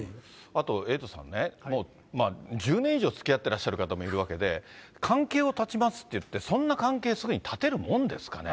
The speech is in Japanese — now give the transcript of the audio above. あとエイトさんね、１０年以上つきあってらっしゃる方もいるわけで、関係を断ちますっていって、そんな関係すぐに断てるんですかね。